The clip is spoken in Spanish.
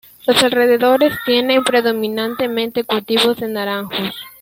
Los alrededores tienen predominantemente cultivos de naranjos.